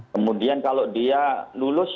kemudian kalau dia lulus